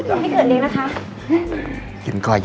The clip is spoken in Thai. ขอบคุณค่ะไม่เกิดเด็กนะคะ